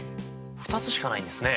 ２つしかないんですね。